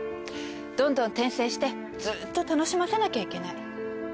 どんどん転生してずっと楽しませなきゃいけない。